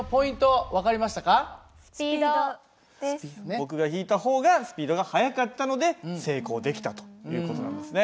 僕が引いた方がスピードが速かったので成功できたという事なんですね。